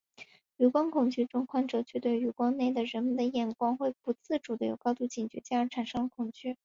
余光恐惧症患者却对余光内的人们的眼光会不自主的有高度警觉进而产生了恐惧。